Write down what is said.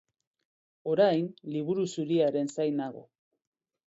Orain Liburu Zuriaren zain nago.